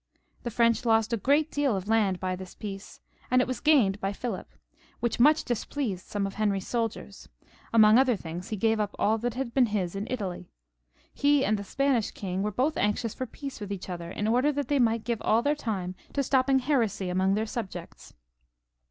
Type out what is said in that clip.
The French lost a great deal of land by this peace, and it was gained by Philip, which much displeased some of Henry's sol diers ; among other thiags he gave up all that had been his in Italy. He and the Spanish king were both anxious for peace with each other, in order that they might give all their time to stopping heresy among their subjects.